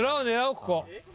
ここ。